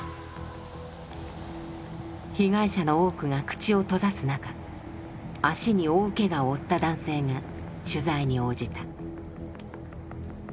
被害者の多くが口を閉ざす中足に大けがを負った男性が取材に応じた。